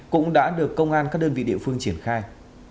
cũng đã được công an các đơn vị địa phương triển khai